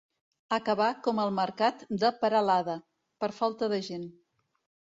Acabar com el mercat de Peralada, per falta de gent.